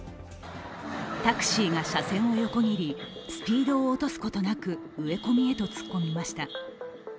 タクシーが車線を横切り、スピードを落とすことなく植え込みへと突っ込みました。